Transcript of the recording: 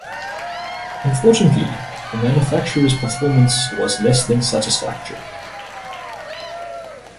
Unfortunately, the manufacturer's performance was less than satisfactory.